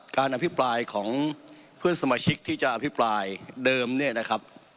การอภิปรายของเพื่อนสมาชิกที่จะอภิปรายเดิมเนี่ยนะครับ